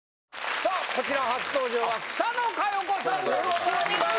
さあこちら初登場は草野華余子さんでございます。